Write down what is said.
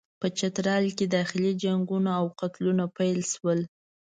په چترال کې داخلي جنګونه او قتلونه پیل شول.